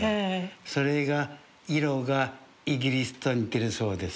それが色がイギリスと似てるそうです。